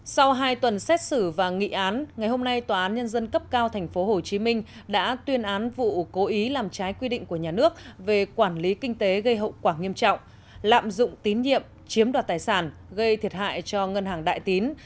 sau hai tuần xét xử và nghị án ngày hôm nay tòa án nhân dân cấp cao tp hcm đã tuyên án vụ cố ý làm trái quy định của nhà nước về quản lý kinh tế gây hậu quả nghiêm trọng lạm dụng tín nhiệm chiếm đoạt tài sản gây thiệt hại cho ngân hàng đại tín